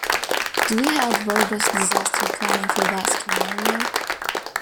Do we have robust disaster planning for that scenario?